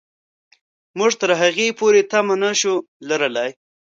موږ تر هغې پورې تمه نه شو لرلای.